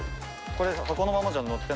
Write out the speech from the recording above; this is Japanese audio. これ。